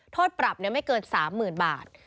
โทษปรับไม่เกิน๓๐๐๐บาท